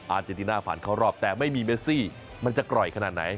เจนติน่าผ่านเข้ารอบแต่ไม่มีเมซี่มันจะกร่อยขนาดไหน